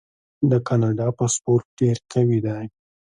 د کاناډا پاسپورت ډیر قوي دی.